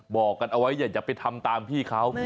บอกกันเอาไว้อย่าไปทำตามพี่เขา